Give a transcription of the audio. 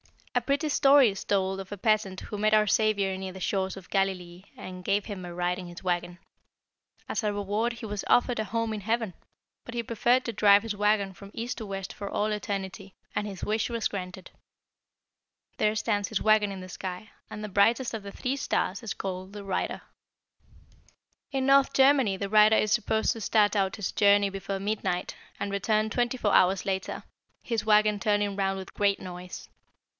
"A pretty story is told of a peasant who met our Saviour near the shores of Galilee and gave Him a ride in his wagon. As a reward he was offered a home in heaven; but he preferred to drive his wagon from east to west for all eternity, and his wish was granted. There stands his wagon in the sky, and the brightest of the three stars is called 'The Rider.' "In North Germany 'The Rider' is supposed to start out on his journey before midnight, and to return twenty four hours later, his wagon turning round with a great noise.